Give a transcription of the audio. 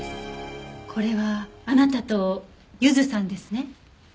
これはあなたとゆずさんですね？